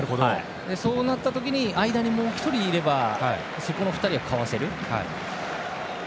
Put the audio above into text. そうなった時に間にもう１人いればその２人はかわせる。